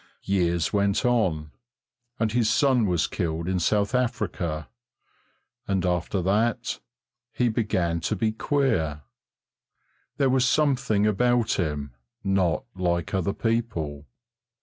Years went on, and his son was killed in South Africa, and after that he began to be queer. There was something about him not like other people.